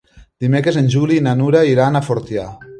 Dimecres en Juli i na Nura iran a Fortià.